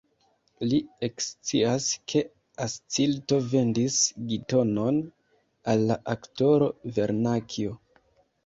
Li ekscias, ke Ascilto vendis Gitonon al la aktoro Vernakjo.